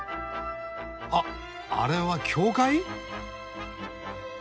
あっあれは教会？